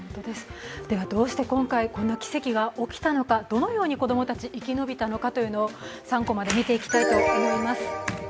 どうして今回、こんな奇跡が起きたのか、どのように子供たち、生き抜いたのかというのを３コマで見ていきたいと思います。